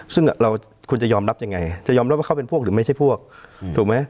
ซึ่งเราควรจะยอมรับยังไงจะยอมรับว่าเขาเป็นพวกหรือไม่ใช่พวกถูกไหม